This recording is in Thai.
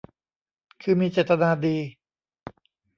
คือมีเจตนาดี